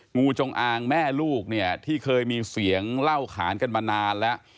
งูจงอางแม่ลูกเนี่ยที่เคยมีเสียงเล่าขานกันมานานแล้ว